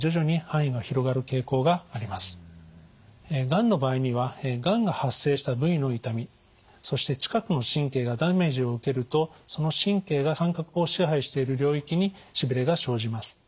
がんの場合にはがんが発生した部位の痛みそして近くの神経がダメージを受けるとその神経が感覚を支配している領域にしびれが生じます。